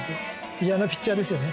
嫌なピッチャーですよね。